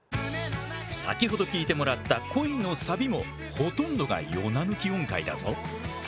先ほど聴いてもらった「恋」のサビもほとんどがヨナ抜き音階だぞ。